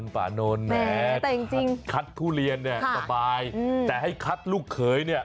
ป่านนท์เนี่ยคัดผู้เรียนสบายแต่ให้คัดลูกเขยเนี่ย